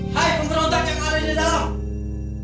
hai penterontak yang ada di dalam